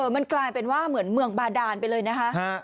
มันกลายเป็นว่าเหมือนเมืองบาดานไปเลยนะคะ